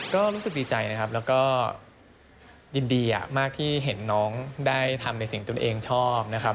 ก็รู้สึกดีใจนะครับแล้วก็ยินดีมากที่เห็นน้องได้ทำในสิ่งตนเองชอบนะครับ